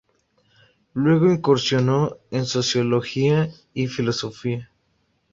Luego incursionó en Sociología y Filosofía.